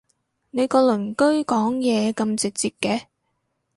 你個鄰居講嘢咁直接嘅？